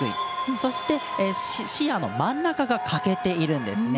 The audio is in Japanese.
そして、視野の真ん中が欠けているんですね。